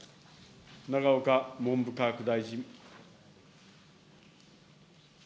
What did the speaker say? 永岡文部科学大臣。